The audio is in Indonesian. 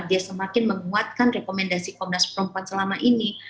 dia semakin menguatkan rekomendasi komnas perempuan selama ini